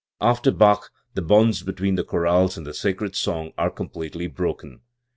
After Bach, the bonds between the chorale and the sacred song are completely broken.